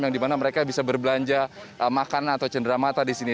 yang di mana mereka bisa berbelanja makanan atau cenderamata di sini